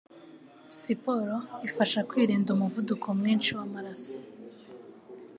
Siporo ifasha kwirinda umuvuduko mwinshi w'amaraso